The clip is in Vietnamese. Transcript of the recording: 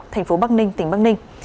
tp bắc ninh tỉnh bắc ninh